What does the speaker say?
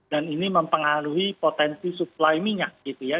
dan ini mempengaruhi potensi suplai minyak gitu ya